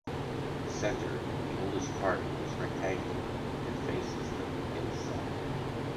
The center, the oldest part, is rectangular and faces the midday sun.